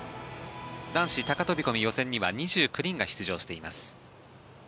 男子高飛込予選には２９人が出場しています。